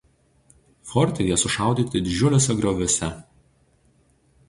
Forte jie sušaudyti didžiuliuose grioviuose.